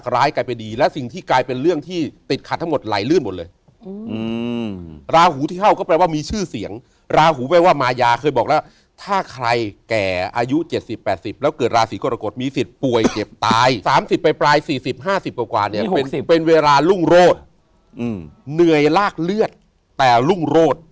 ราหู่ที่เข้าก็แปลว่ามีชื่อเสียงราหู่แปลว่ามายาเคยบอกถ้าใครแก่อายุ๗๐๘๐แล้วเกิดราศรีกรกฎมีสิทธิ์ป่วยเจ็บตาย๓๐ไปปลาย๔๐๕๐กว่าเป็นเวลาลุ่งโรศร์เหนื่อยรากเลือดแต่ลุ่งโรศร์